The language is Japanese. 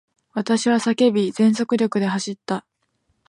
私は叫び、全速力で走った。